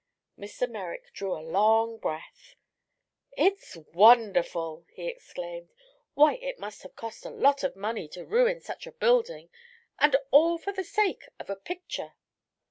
Mr. Merrick drew a long breath. "It's wonderful!" he exclaimed. "Why, it must have cost a lot of money to ruin such a building and all for the sake of a picture!"